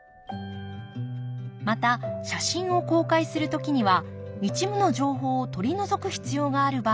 また写真を公開する時には一部の情報を取り除く必要がある場合もあります。